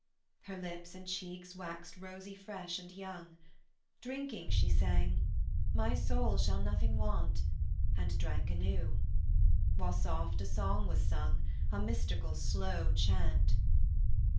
Her lips and cheeks waxed rosy fresh and young; Drinking she sang: "My soul shall nothing want"; And drank anew: while soft a song was sung, A mystical slow chant.